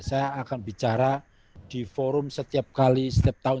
saya akan bicara di forum setiap kali setiap tahun